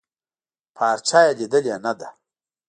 پارچه يې ليدلې نده.